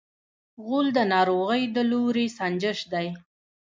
غول د ناروغۍ د لوری سنجش دی.